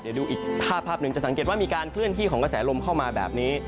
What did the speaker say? เดี๋ยวดูอีกภาพหนึ่งจะสังเกตว่ามีการเคลื่อนที่ของกระแสลมเข้ามาแบบนี้